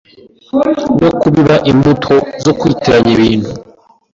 no kubiba imbuto zo kwitiranya ibintu